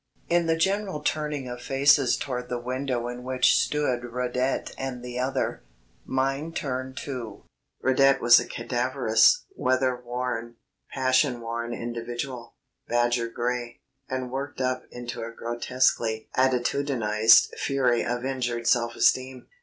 In the general turning of faces toward the window in which stood Radet and the other, mine turned too. Radet was a cadaverous, weatherworn, passion worn individual, badger grey, and worked up into a grotesquely attitudinised fury of injured self esteem.